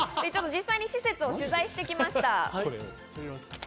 実際に施設を取材してきました。